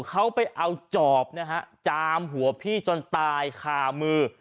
เขาไปเอาจอบนะฮะจามหัวพี่จนตายคามือ